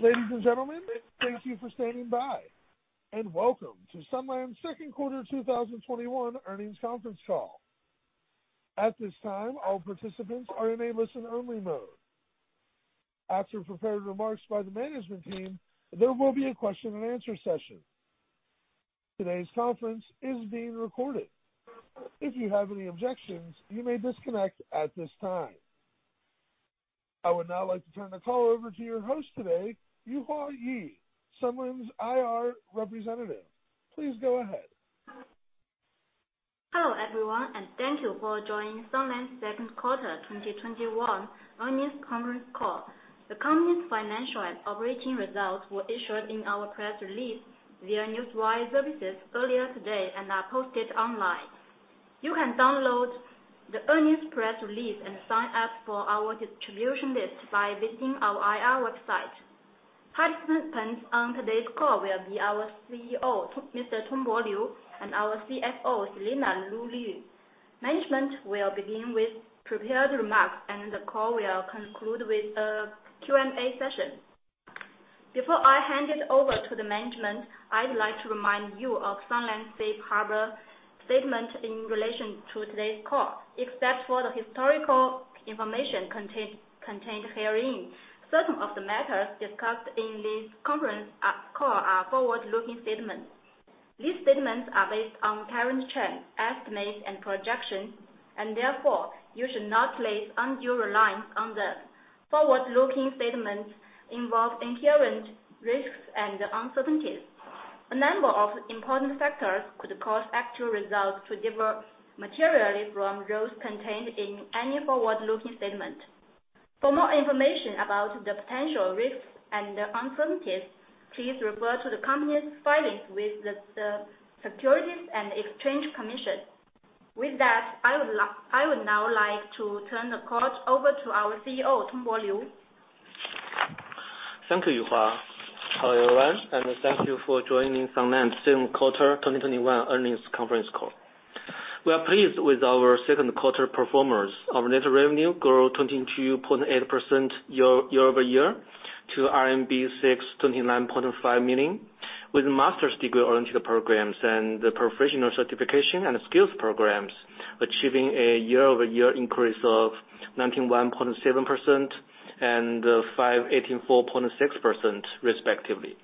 Ladies and gentlemen, thank you for standing by, and welcome to Sunlands' second quarter 2021 earnings conference call. At this time, all participants are in a listen-only mode. After prepared remarks by the management team, there will be a question and answer session. Today's conference is being recorded. If you have any objections, you may disconnect at this time. I would now like to turn the call over to your host today, Yuhua Ye, Sunlands' Investor Relations Representative. Please go ahead. Hello, everyone, and thank you for joining Sunlands' second quarter 2021 earnings conference call. The company's financial and operating results were issued in our press release via Newswire services earlier today and are posted online. You can download the earnings press release and sign up for our distribution list by visiting our Investor Relations website. Participants on today's call will be our Chief Executive Officer, Mr. Tongbo Liu, and our Chief Financial Officer, Selena Lu Lv. Management will begin with prepared remarks, and the call will conclude with a Q&A session. Before I hand it over to the management, I'd like to remind you of Sunlands' safe harbor statement in relation to today's call. Except for the historical information contained herein, certain of the matters discussed in this conference call are forward-looking statements. These statements are based on current trends, estimates, and projections, and therefore, you should not place undue reliance on them. Forward-looking statements involve inherent risks and uncertainties. A number of important factors could cause actual results to differ materially from those contained in any forward-looking statement. For more information about the potential risks and uncertainties, please refer to the company's filings with the Securities and Exchange Commission. With that, I would now like to turn the call over to our Chief Executive Officer, Tongbo Liu. Thank you, Yuhua. Hello, everyone, and thank you for joining Sunlands' second quarter 2021 earnings conference call. We are pleased with our second quarter performance. Our net revenue grew 22.8% year-over-year to RMB 629.5 million, with master's degree-oriented programs and the professional certification and skills programs achieving a year-over-year increase of 91.7% and 584.6% respectively.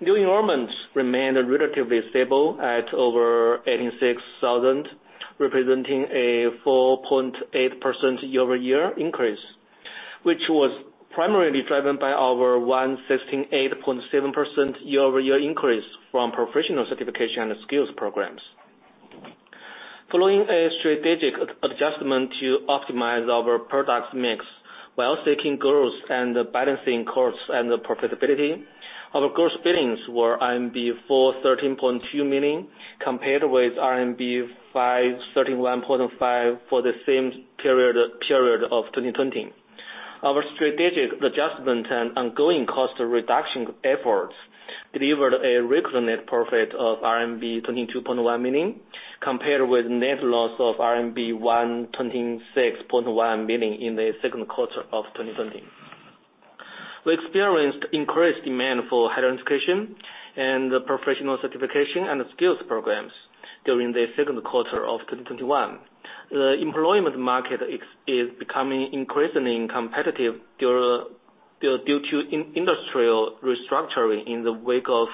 New enrollments remained relatively stable at over 86,000, representing a 4.8% year-over-year increase, which was primarily driven by our 158.7% year-over-year increase from professional certification and skills programs. Following a strategic adjustment to optimize our product mix while seeking growth and balancing costs and profitability, our gross billings were RMB 413.2 million, compared with RMB 531.5 for the same period of 2020. Our strategic adjustment and ongoing cost reduction efforts delivered a record net profit of RMB 22.1 million, compared with net loss of RMB 126.1 million in the second quarter of 2020. We experienced increased demand for higher education and professional certification and skills programs during the second quarter of 2021. The employment market is becoming increasingly competitive due to industrial restructuring in the wake of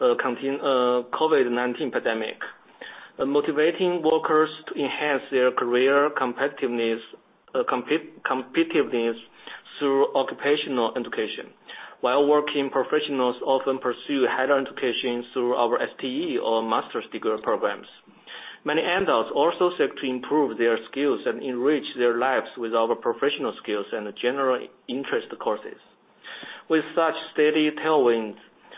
COVID-19 pandemic, motivating workers to enhance their career competitiveness through occupational education while working professionals often pursue higher education through our STE or master's degree programs. Many adults also seek to improve their skills and enrich their lives with our professional skills and general interest courses. With such steady tailwinds,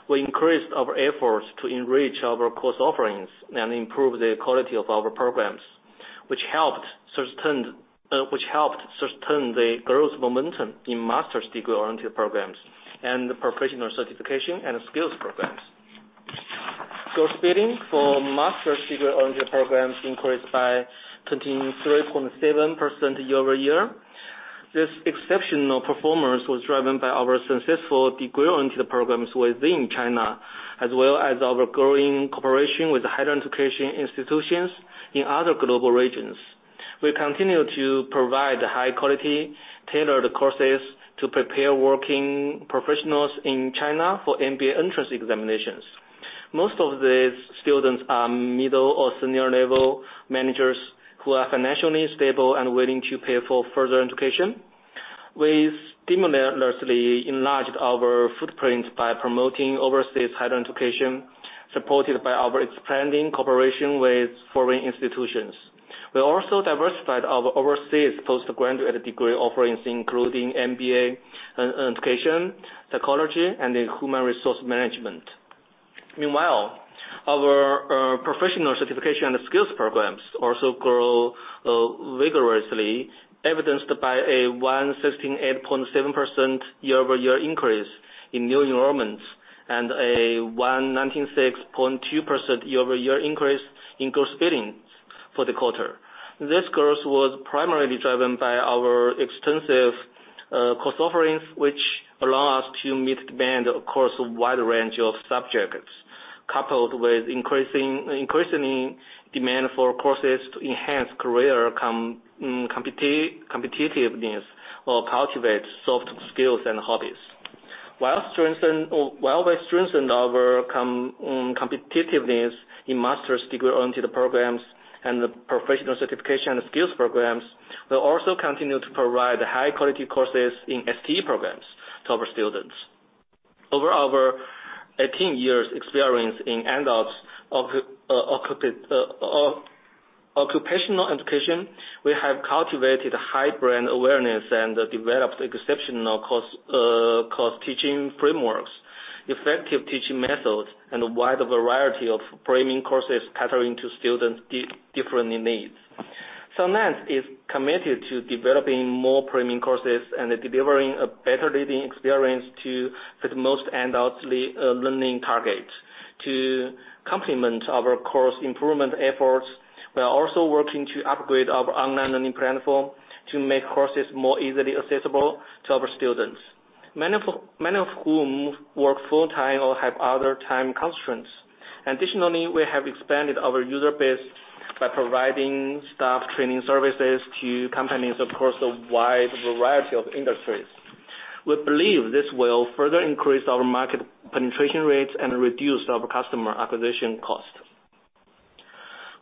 we increased our efforts to enrich our course offerings and improve the quality of our programs, which helped sustain the growth momentum in master's degree-oriented programs and professional certification and skills programs. Gross billing for master's degree-oriented programs increased by 23.7% year-over-year. This exceptional performance was driven by our successful degree-oriented programs within China, as well as our growing cooperation with higher education institutions in other global regions. We continue to provide high-quality, tailored courses to prepare working professionals in China for MBA entrance examinations. Most of these students are middle or senior-level managers who are financially stable and willing to pay for further education. We seamlessly enlarged our footprint by promoting overseas higher education, supported by our expanding cooperation with foreign institutions. We also diversified our overseas postgraduate degree offerings, including MBA education, psychology, and human resource management. Meanwhile, our professional certification and skills programs also grow vigorously, evidenced by a 158.7% year-over-year increase in new enrollments and a 196.2% year-over-year increase in gross billing for the quarter. This growth was primarily driven by our extensive course offerings, which allow us to meet demand across a wide range of subjects, coupled with increasing demand for courses to enhance career competitiveness or cultivate soft skills and hobbies. While we strengthen our competitiveness in master's degree oriented programs and the professional certification skills programs, we'll also continue to provide high-quality courses in STE programs to our students. Over our 18 years experience in adult occupational education, we have cultivated a high brand awareness and developed exceptional course teaching frameworks, effective teaching methods, and a wide variety of premium courses catering to students' differing needs. Sunlands is committed to developing more premium courses and delivering a better learning experience to fit most adult learning targets. To complement our course improvement efforts, we are also working to upgrade our online learning platform to make courses more easily accessible to our students, many of whom work full-time or have other time constraints. Additionally, we have expanded our user base by providing staff training services to companies across a wide variety of industries. We believe this will further increase our market penetration rates and reduce our customer acquisition cost.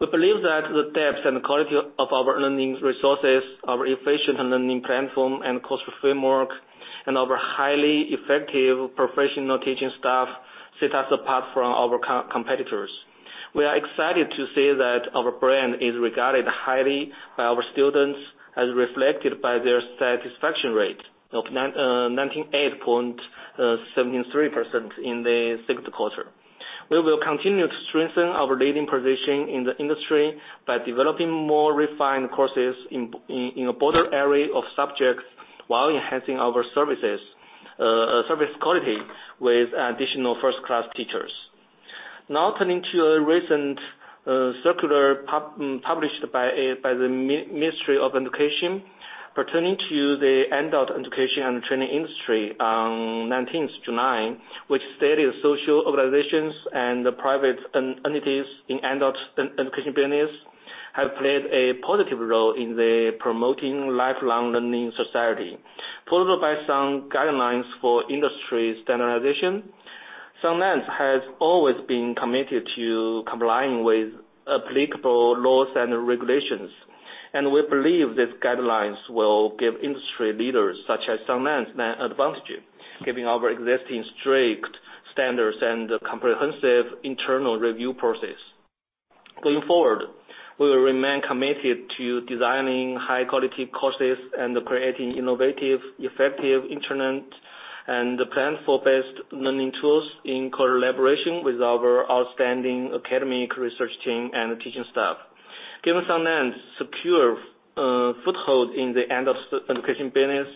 We believe that the depth and quality of our learning resources, our efficient learning platform, and course framework, and our highly effective professional teaching staff set us apart from our competitors. We are excited to say that our brand is regarded highly by our students, as reflected by their satisfaction rate of 98.73% in the sixth quarter. We will continue to strengthen our leading position in the industry by developing more refined courses in a broader array of subjects while enhancing our service quality with additional first-class teachers. Now, turning to a recent circular published by the Ministry of Education pertaining to the adult education and training industry on 19th July, which stated social organizations and private entities in adult education business have played a positive role in the promoting lifelong learning society, followed by some guidelines for industry standardization. Sunlands has always been committed to complying with applicable laws and regulations, and we believe these guidelines will give industry leaders such as Sunlands an advantage, giving our existing strict standards and comprehensive internal review process. Going forward, we will remain committed to designing high-quality courses and creating innovative, effective internet and platform-based learning tools in collaboration with our outstanding academic research team and teaching staff. Given Sunlands secure foothold in the adult education business,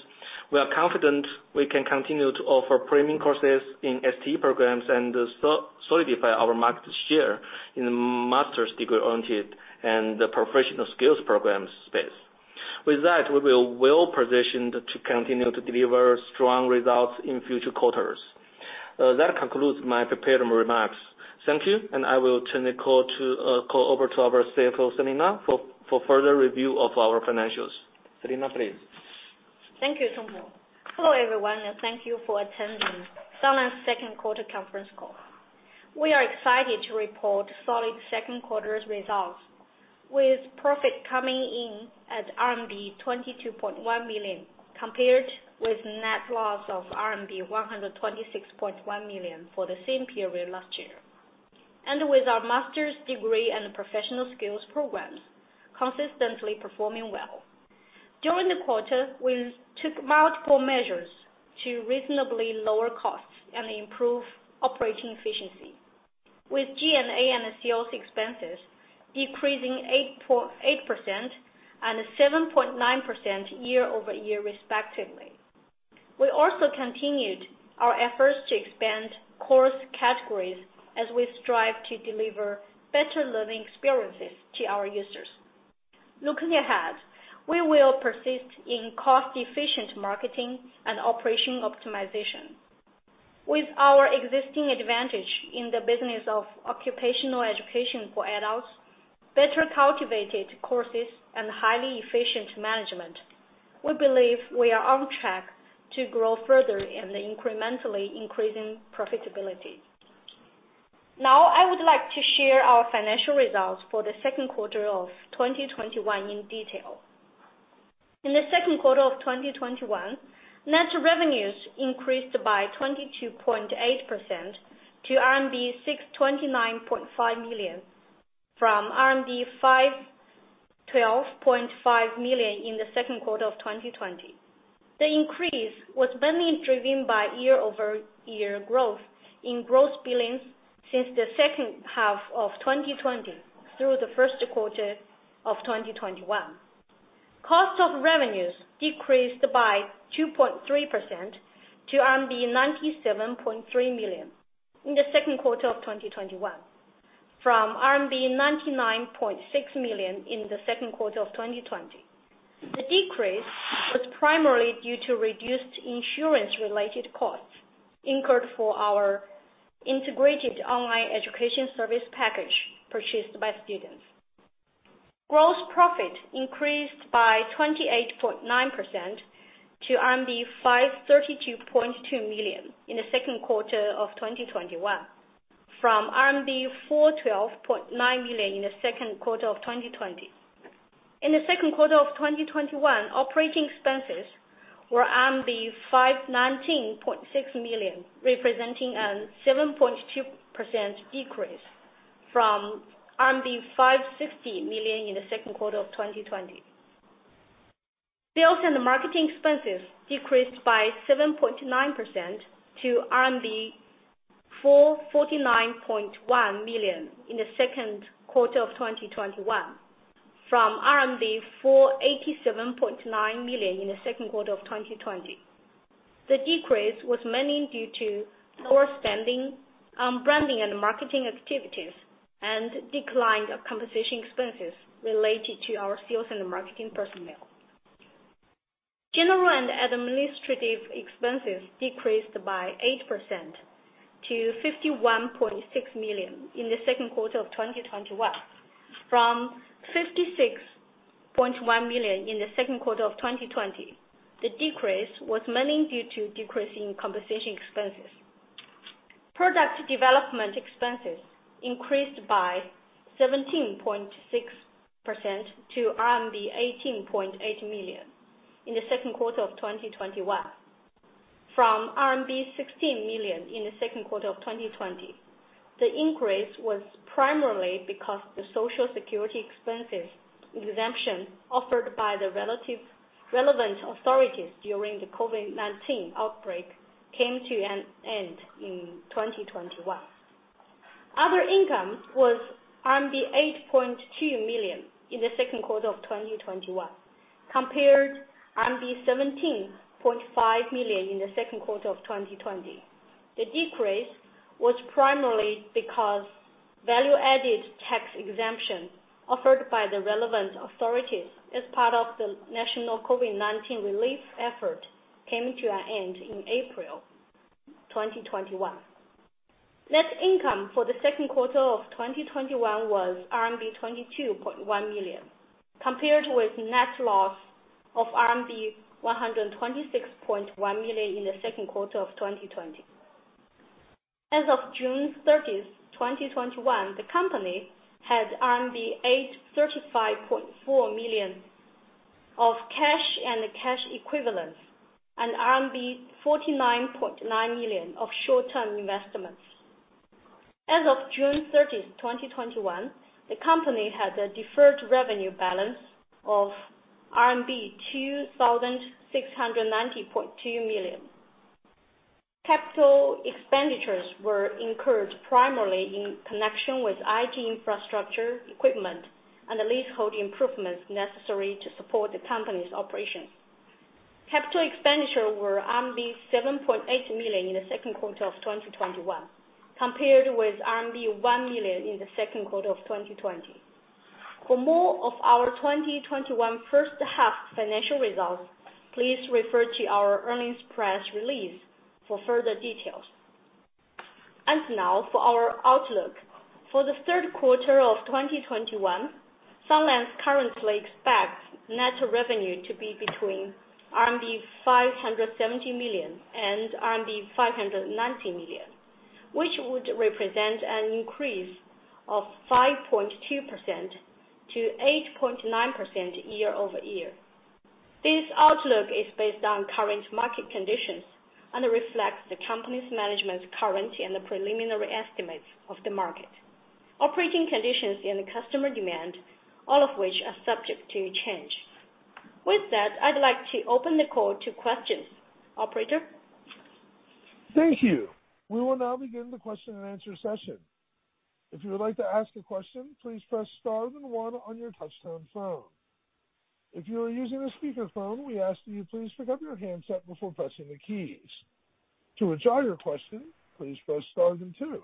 we are confident we can continue to offer premium courses in STE programs and solidify our market share in the master's degree oriented and the professional skills programs space. With that, we are well-positioned to continue to deliver strong results in future quarters. That concludes my prepared remarks. Thank you, and I will turn the call over to our Chief Financial Officer, Selena, for further review of our financials. Selena, please. Thank you, Tongbo. Hello, everyone, and thank you for attending Sunlands' second quarter conference call. We are excited to report solid second quarters results, with profit coming in at RMB 22.1 million, compared with net loss of RMB 126.1 million for the same period last year, and with our master's degree and professional skills programs consistently performing well. During the quarter, we took multiple measures to reasonably lower costs and improve operating efficiency, with G&A and COS expenses decreasing 8% and 7.9% year-over-year respectively. We also continued our efforts to expand course categories as we strive to deliver better learning experiences to our users. Looking ahead, we will persist in cost-efficient marketing and operation optimization. With our existing advantage in the business of occupational education for adults, better cultivated courses, and highly efficient management, we believe we are on track to grow further and incrementally increasing profitability. Now, I would like to share our financial results for the second quarter of 2021 in detail. In the second quarter of 2021, net revenues increased by 22.8% to RMB 629.5 million from RMB 512.5 million in the second quarter of 2020. The increase was mainly driven by year-over-year growth in gross billings since the second half of 2020 through the first quarter of 2021. Cost of revenues decreased by 2.3% to RMB 97.3 million in the second quarter of 2021 from RMB 99.6 million in the second quarter of 2020. The decrease was primarily due to reduced insurance-related costs incurred for our integrated online education service package purchased by students. Gross profit increased by 28.9% to RMB 532.2 million in the second quarter of 2021 from RMB 412.9 million in the second quarter of 2020. In the second quarter of 2021, operating expenses were 519.6 million, representing a 7.2% decrease from RMB 560 million in the second quarter of 2020. Sales and marketing expenses decreased by 7.9% to RMB 449.1 million in the second quarter of 2021 from RMB 487.9 million in the second quarter of 2020. The decrease was mainly due to lower spending on branding and marketing activities and decline of compensation expenses related to our sales and marketing personnel. General and administrative expenses decreased by 8% to 51.6 million in the second quarter of 2021 from 56.1 million in the second quarter of 2020. The decrease was mainly due to decreasing compensation expenses. Product development expenses increased by 17.6% to RMB 18.8 million in the second quarter of 2021 from RMB 16 million in the second quarter of 2020. The increase was primarily because the Social Security expenses exemption offered by the relevant authorities during the COVID-19 outbreak came to an end in 2021. Other income was RMB 8.2 million in the second quarter of 2021 compared to RMB 17.5 million in the second quarter of 2020. The decrease was primarily because value-added tax exemption offered by the relevant authorities as part of the national COVID-19 relief effort came to an end in April 2021. Net income for the second quarter of 2021 was RMB 22.1 million, compared with net loss of RMB 126.1 million in the second quarter of 2020. As of June 30th, 2021, the company had RMB 835.4 million of cash and cash equivalents and RMB 49.9 million of short-term investments. As of June 30th, 2021, the company had a deferred revenue balance of RMB 2,690.2 million. Capital expenditures were incurred primarily in connection with IT infrastructure equipment and the leasehold improvements necessary to support the company's operations. Capital expenditure were RMB 7.8 million in the second quarter of 2021 compared with RMB 1 million in the second quarter of 2020. For more of our 2021 first half financial results, please refer to our earnings press release for further details. Now for our outlook. For the third quarter of 2021, Sunlands' currently expects net revenue to be between RMB 570 million and RMB 590 million, which would represent an increase of 5.2%-8.9% year-over-year. This outlook is based on current market conditions and reflects the company's management's current and preliminary estimates of the market, operating conditions and customer demand, all of which are subject to change. With that, I'd like to open the call to questions. Operator? Thank you. We will now begin the question and answer session. If you would like to ask a question, please press star then one on your touchtone phone. If you are using a speakerphone, we ask that you please pick up your handset before pressing the keys. To withdraw your question, please press star then two.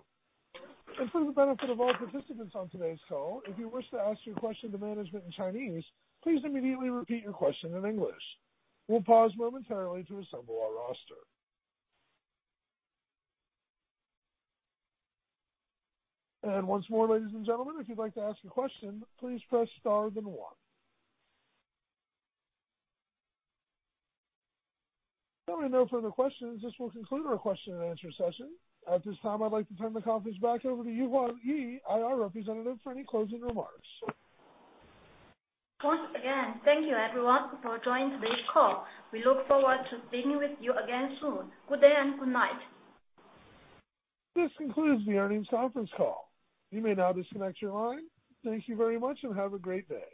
For the benefit of all participants on today's call, if you wish to ask your question to management in Chinese, please immediately repeat your question in English. We'll pause momentarily to assemble our roster. Once more, ladies and gentlemen, if you'd like to ask a question, please press star then one. Hearing no further questions, this will conclude our question and answer session. At this time, I'd like to turn the conference back over to Yuhua Ye, Investor Relations Representative, for any closing remarks. Once again, thank you everyone for joining today's call. We look forward to speaking with you again soon. Good day and good night. This concludes the earnings conference call. Thank you very much and have a great day.